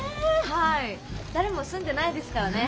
はい誰も住んでないですからね。